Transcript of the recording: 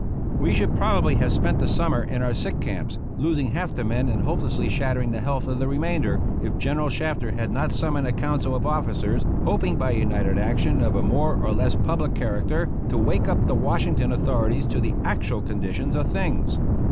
We should probably have spent the summer in our sick camps, losing half the men and hopelessly shattering the health of the remainder, if General Shafter had not summoned a council of officers, hoping by united action of a more or less public character to wake up the Washington authorities to the actual condition of things.